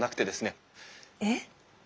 えっ？